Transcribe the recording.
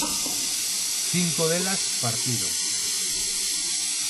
Cinco delas partiron.